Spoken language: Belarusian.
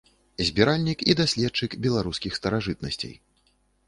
Збіральнік і даследчык беларускіх старажытнасцей.